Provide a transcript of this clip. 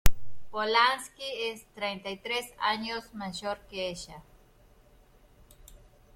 Polanski es treinta y tres años mayor que ella.